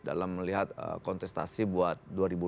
dalam melihat kontestasi buat dua ribu dua puluh